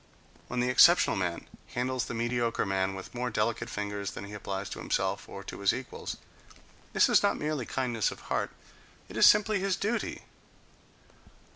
When the exceptional man handles the mediocre man with more delicate fingers than he applies to himself or to his equals, this is not merely kindness of heart—it is simply his duty....